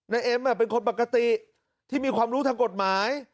เอ็มเป็นคนปกติที่มีความรู้ทางกฎหมาย